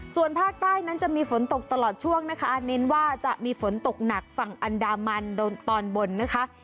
ส่วนภาคใต้นั้นจะมีฝนตกตลอดช่วงนะคะเน้นว่าจะมีฝนตกหนักฝั่งอันดามันตอนบนนะคะ